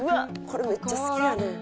これめっちゃ好きやねん」